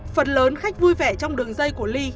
phần lớn khách vui vẻ trong đường dây của ly